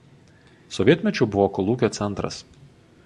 Sovietmečiu buvo kolūkio centras.